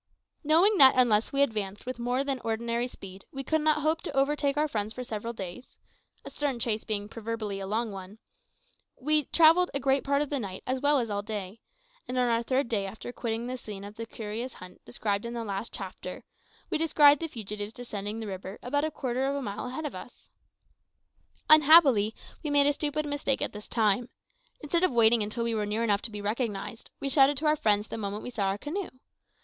Knowing that unless we advanced with more than ordinary speed we could not hope to overtake our friends for several days a stern chase being proverbially a long one we travelled a great part of the night as well as all day; and on our third day after quitting the scene of the curious hunt described in the last chapter, we descried the fugitives descending the river about a quarter of a mile ahead of us. Unhappily we made a stupid mistake at this time. Instead of waiting until we were near enough to be recognised, we shouted to our friends the moment we saw their canoe.